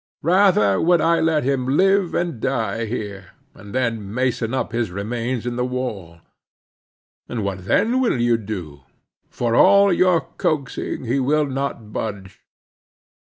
Rather would I let him live and die here, and then mason up his remains in the wall. What then will you do? For all your coaxing, he will not budge.